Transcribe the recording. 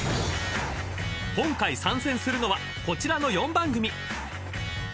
［今回参戦するのはこちらの４番組］